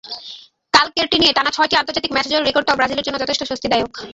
কালকেরটি নিয়ে টানা ছয়টি আন্তর্জাতিক ম্যাচে জয়ের রেকর্ডটাও ব্রাজিলের জন্য যথেষ্ট স্বস্তিদায়ক।